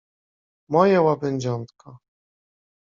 Moje łabędziątko.